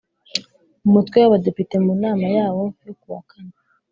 Umutwe w Abadepite mu nama yawo yo ku wa kane